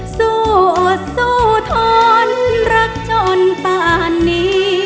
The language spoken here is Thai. สู้อดสู้ท้อนรักจนตอนนี้